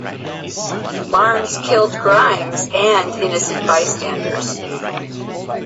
Barnes killed Grimes and innocent bystanders.